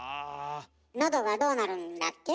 のどがどうなるんだっけ？